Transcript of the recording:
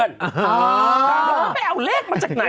เพราะว่าเอาเลขมาจากไหน